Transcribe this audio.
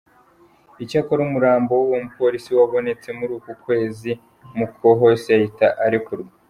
Icyakora umurambo w’uwo mupolisi wabonetse muri uku kwezi Mukhosi ahita arekurwa.